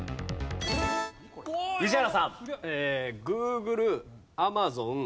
宇治原さん。